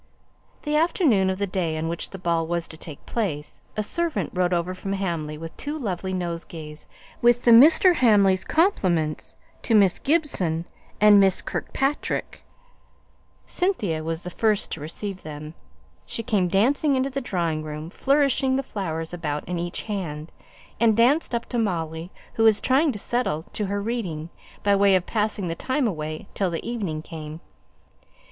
The afternoon of the day on which the ball was to take place, a servant rode over from Hamley with two lovely nosegays, "with the Mr. Hamleys' compliments to Miss Gibson and Miss Kirkpatrick." Cynthia was the first to receive them. She came dancing into the drawing room, flourishing the flowers about in either hand, and danced up to Molly, who was trying to settle to her reading, by way of passing the time away till the evening came.